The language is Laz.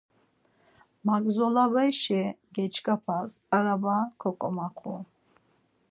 Magzolabaşi geç̌ǩapas araba koǩomaxu.